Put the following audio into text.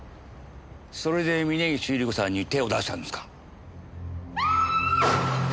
それで峰岸百合子さんに手を出したんですか？